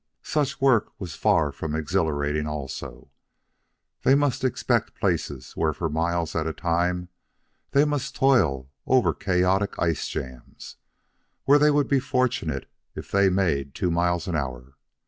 Such work was far from exhilarating also, they must expect places where for miles at a time they must toil over chaotic ice jams, where they would be fortunate if they made two miles an hour.